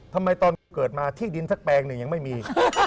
ทำไมตอนเกิดมาที่ดินสักแปลงหนึ่งยังไม่มี